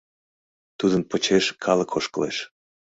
Тудын почеш калык ошкылеш.